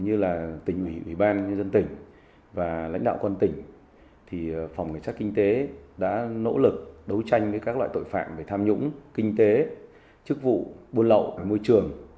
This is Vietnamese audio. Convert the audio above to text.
ủy ban dân tỉnh và lãnh đạo quân tỉnh phòng nghệ sát kinh tế đã nỗ lực đấu tranh với các loại tội phạm về tham nhũng kinh tế chức vụ buôn lậu môi trường